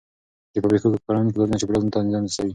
د فابریکو ککړونکي ګازونه چاپیریال ته زیان رسوي.